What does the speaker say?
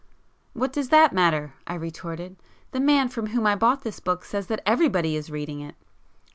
"What does that matter!" I retorted—"The man from whom I bought this book says that everybody is reading it."